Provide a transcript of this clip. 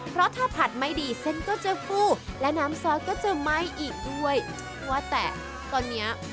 เพราะถ้าผัดไม่ดีเส้นก็จะฟูและน้ำซอสก็จะไหม้อีกด้วยว่าแต่ตอนเนี้ย